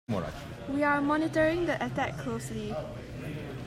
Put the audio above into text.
We're monitoring the attack closely.